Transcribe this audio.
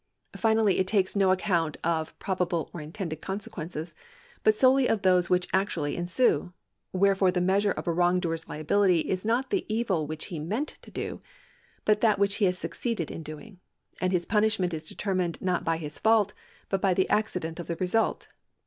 Finally it takes no account of probable or intended consequences, but solely of those which actually ensue ; wherefore the measure of a wrongdoer's liability is not the evil which he meant to do, but that which he has succeeded in doing ; and his punishment is determined not by his fault, but b}' the accident of the result.